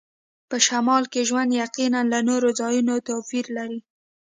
په شمال کې ژوند یقیناً له نورو ځایونو توپیر لري